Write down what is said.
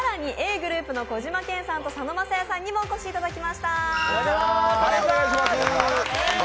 ｇｒｏｕｐの小島健さんと佐野晶哉さんにもお越しいただきました。